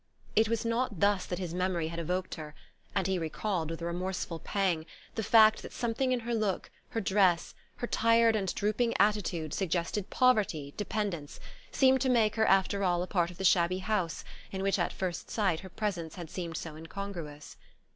It was not thus that his memory had evoked her, and he recalled, with a remorseful pang, the fact that something in her look, her dress, her tired and drooping attitude, suggested poverty, dependence, seemed to make her after all a part of the shabby house in which, at first sight, her presence had seemed so incongruous.